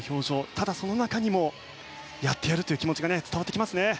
ただ、その中にもやってやるという気持ちが伝わってきますね。